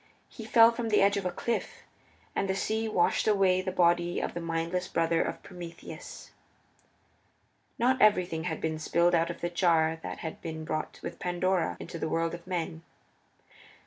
He fell from the edge of a cliff, and the sea washed away the body of the mindless brother of Prometheus. Not everything had been spilled out of the jar that had been brought with Pandora into the world of men.